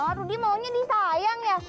oh rudy maunya disayang ya